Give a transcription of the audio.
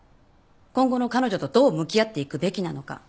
今後の彼女とどう向き合っていくべきなのか。